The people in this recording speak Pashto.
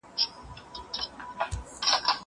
زه پرون اوبه پاکوم!!